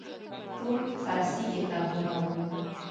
ټول فارسي کتابونه وو.